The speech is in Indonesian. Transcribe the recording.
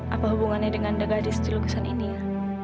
apa hubungannya dengan de gadis di lukisan ini ya